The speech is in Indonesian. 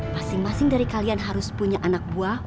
masing masing dari kalian harus punya anak buah